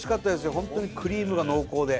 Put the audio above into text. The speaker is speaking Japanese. ホントにクリームが濃厚で。